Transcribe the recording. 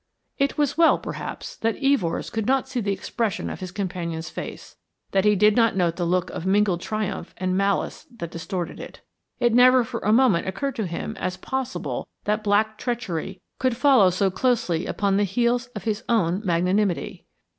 It was well, perhaps, that Evors could not see the expression of his companion's face, that he did not note the look of mingled triumph and malice that distorted it. It never for a moment occurred to him as possible that black treachery could follow so closely upon the heels of his own magnanimity.